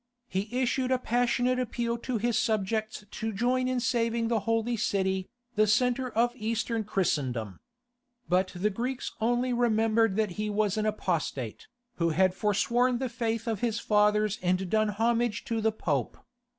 He issued a passionate appeal to his subjects to join in saving the holy city, the centre of Eastern Christendom. But the Greeks only remembered that he was an apostate, who had foresworn the faith of his fathers and done homage to the Pope.